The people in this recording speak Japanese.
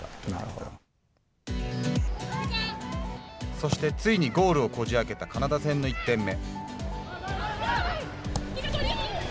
そして、ついにゴールをこじ開けたカナダ戦の１点目。